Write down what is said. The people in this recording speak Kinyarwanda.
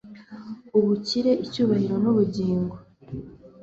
ubukire, icyubahiro n'ubugingo